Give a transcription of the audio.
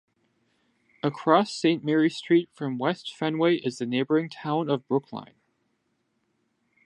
Across Saint Mary Street from West Fenway is the neighboring town of Brookline.